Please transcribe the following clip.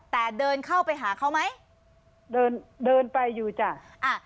แต่เดินเข้าไปหาเขาไหมเดินเดินไปอยู่จ้ะอ่ะ